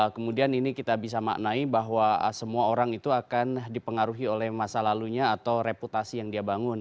kemudian ini kita bisa maknai bahwa semua orang itu akan dipengaruhi oleh masa lalunya atau reputasi yang dia bangun